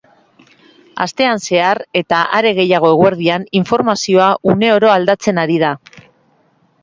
Astean zehar, eta are gehiago eguerdian, informazioa uneoro aldatzen ari da.